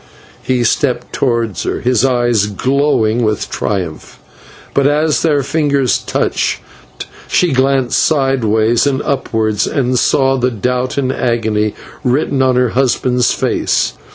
He stepped towards her his eyes glowing with triumph; but as their fingers touched she glanced sideways and upwards, and saw the doubt and agony written on her husband's face.